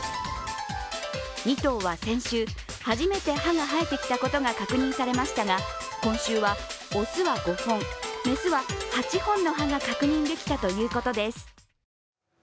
２頭は先週、初めて歯が生えてきたことが確認されましたが今週は雄は５本、雌は８本の歯が確認できたということです。